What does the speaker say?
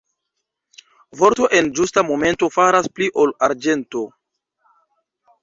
Vorto en ĝusta momento faras pli ol arĝento.